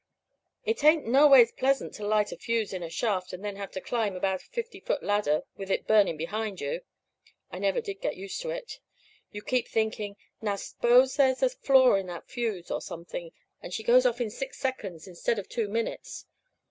"It ain't noways pleasant to light a fuse in a shaft, and then have to climb out a fifty foot ladder, with it burning behind you. I never did get used to it. You keep thinking, 'Now, suppose there's a flaw in that fuse, or something, and she goes off in six seconds instead of two minutes?